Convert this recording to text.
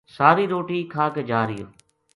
ساری روٹی کھا کے جا رہیو